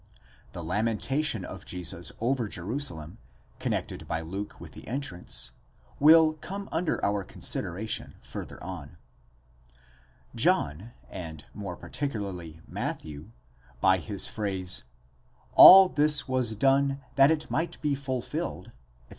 The lamentation of Jesus over Jeru salem, connected by Luke with the entrance, will come under our considera tion further on. John, and more particularly Matthew by his phrase τοῦτο δὲ ὅλον γέγονεν, ἵνα πληρωθῇ κ. τ. r., All this was done that it might be fulfilled, etc.